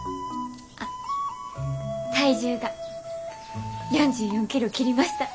あっ体重が４４キロ切りました！